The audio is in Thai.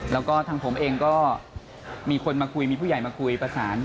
แล้วก็ทางผมเองก็มีคนมาคุยมีผู้ใหญ่มาคุยประสาน